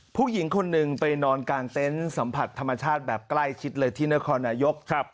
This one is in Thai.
ผู้หญิงคนหนึ่งไปนอนกลางเต็นต์สัมผัสธรรมชาติแบบใกล้ชิดเลยที่นครนายก